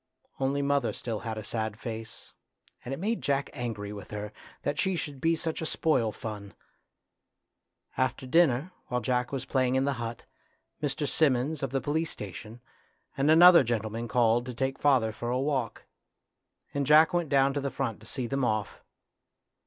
Only mother still had a sad face, and it made Jack angry with her, that she should be such a spoil fun. After dinner, while Jack was playing in the hut, Mr. Simmons, of the police station, and another gentleman called to take father for a walk, and Jack went down to the front to see them off.